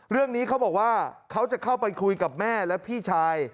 เรื่องนี้เขาบอกว่าเขาจะเข้าไปคุยกับแม่และพี่ชาย